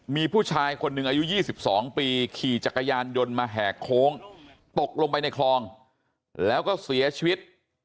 มีผู้ชายคนหนึ่งอายุ๒๒ปีขี่จักรยานยนต์มาแหกโค้งตกลงไปในคลองแล้วก็เสียชีวิต